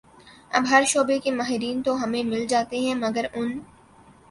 اب ہر شعبے کے ماہرین تو ہمیں مل جاتے ہیں مگر ان